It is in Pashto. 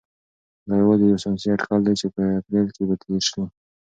دا یوازې یو ساینسي اټکل دی چې په اپریل کې به تیره شي.